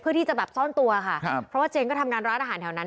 ที่จะแบบซ่อนตัวค่ะครับเพราะว่าเจนก็ทำงานร้านอาหารแถวนั้น